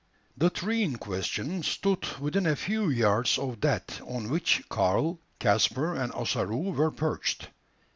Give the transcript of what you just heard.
The tree in question stood within a few yards of that on which Karl, Caspar, and Ossaroo were perched.